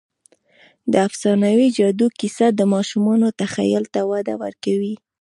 د افسانوي جادو کیسه د ماشومانو تخیل ته وده ورکوي.